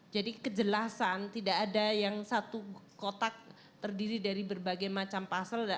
jadi kejelasan tidak ada yang satu kotak terdiri dari berbagai macam puzzle